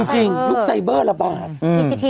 จริงยุคไซเบอร์ระบาด